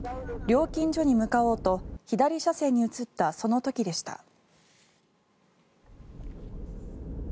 料金所に向かおうと左車線に移ったその時でした。